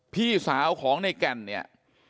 พี่สาวของในแก่นเนี่ย